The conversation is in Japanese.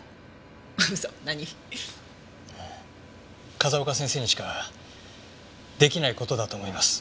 風丘先生にしか出来ない事だと思います。